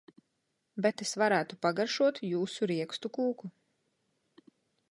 Bet es varētu pagaršotjūsu riekstu kūku.